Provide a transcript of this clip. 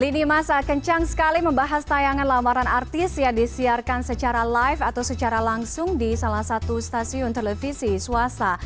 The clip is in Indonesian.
lini masa kencang sekali membahas tayangan lamaran artis yang disiarkan secara live atau secara langsung di salah satu stasiun televisi swasta